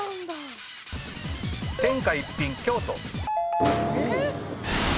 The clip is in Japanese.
天下一品京都。